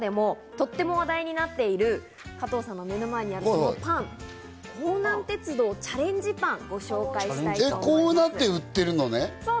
斬新なアイデアの商品名だったりとか、その中でも、とっても話題になっている、加藤さんの目の前にありますパン、「弘南鉄道チャレンジパン」をご紹介したいと思います。